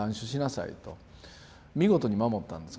見事に守ったんです